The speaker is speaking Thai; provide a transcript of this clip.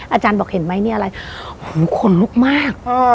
อาจารย์บอกเห็นไหมนี่อะไรหูขนลุกมาก